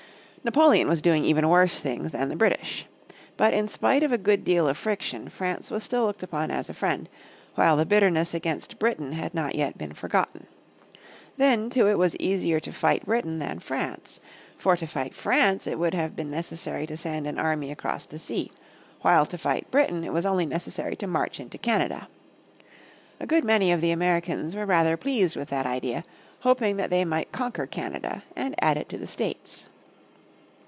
Napoleon was doing even worse things than the British. But in spite of a good deal of friction France was still looked upon as a friend, while the bitterness against Britain had not yet been forgotten. Then too it was easier to fight Britain than France. For to fight France it would have been necessary to send an army across the sea, while to fight Britain it was only necessary to march into Canada. A good many of the Americans were rather pleased with that idea, hoping that they might conquer Canada and add it to the States.